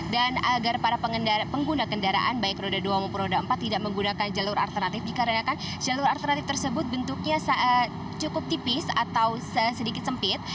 dan agar para pengguna kendaraan baik roda dua maupun roda empat tidak menggunakan jalur alternatif dikarenakan jalur alternatif tersebut bentuknya cukup tipis atau sedikit sempit